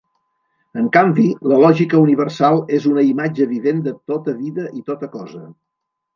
En canvi, la lògica universal és una imatge vivent de tota vida i tota cosa.